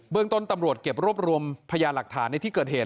เรื่องต้นตำรวจเก็บรวบรวมพยานหลักฐานในที่เกิดเหตุ